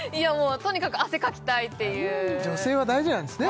とにかく汗かきたいっていう女性は大事なんですね